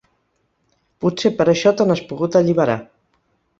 Potser per això te n'has pogut alliberar.